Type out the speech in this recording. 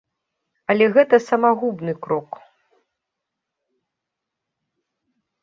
Але гэта самагубны крок.